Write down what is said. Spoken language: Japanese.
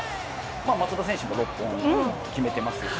松田選手が６本決めてますし。